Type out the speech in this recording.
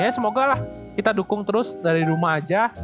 ya semoga lah kita dukung terus dari rumah aja